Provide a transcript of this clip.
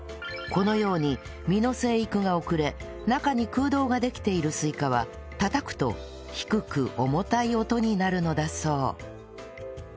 このように実の生育が遅れ中に空洞ができているスイカは叩くと低く重たい音になるのだそう